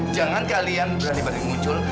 jangan kalian berani muncul